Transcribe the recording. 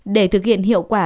để thực hiện hiệu quả